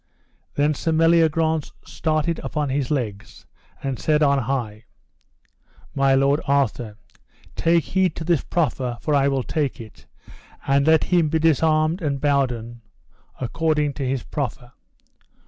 Then Sir Meliagrance started up upon his legs, and said on high: My lord Arthur, take heed to this proffer, for I will take it, and let him be disarmed and bounden according to his proffer.